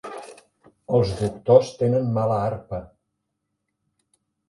Els doctors tenen mala arpa.